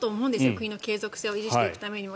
国の継続性を維持していくためにも。